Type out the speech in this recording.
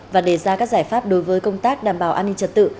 và đề ra các giải pháp đối với công tác đảm bảo an ninh trật tự